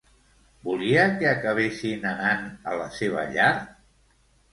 Volia que acabessin anant a la seva llar?